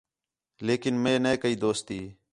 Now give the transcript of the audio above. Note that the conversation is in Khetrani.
لیکن مئے نَے کَئی دوستی